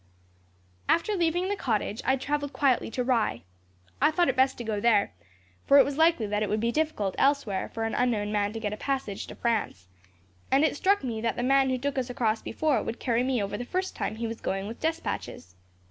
"After leaving the cottage, I travelled quietly to Rye. I thought it best to go there, for it was likely that it would be difficult, elsewhere, for an unknown man to get a passage to France, and it struck me that the man who took us across before, would carry me over the first time he was going with despatches.